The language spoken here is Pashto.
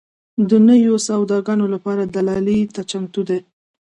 د نویو سوداګانو لپاره دلالۍ ته چمتو دي.